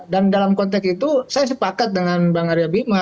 dan dalam konteks itu saya sepakat dengan bang arya bima